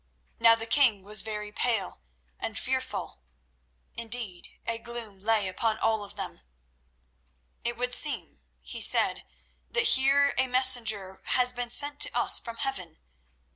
Now the king was very pale, and fearful; indeed a gloom lay upon all of them. "It would seem," he said, "that here a messenger has been sent to us from heaven.